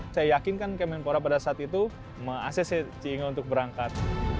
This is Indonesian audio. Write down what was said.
saya yakinkan kemenpora pada saat itu mengakses sehingga untuk berangkat